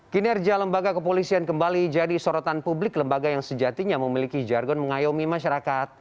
kinerja lembaga kepolisian kembali jadi sorotan publik lembaga yang sejatinya memiliki jargon mengayomi masyarakat